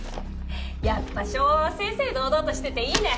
やっぱ昭和は正々堂々としてていいね。